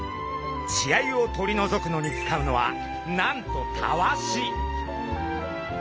血合いを取り除くのに使うのはなんとタワシ。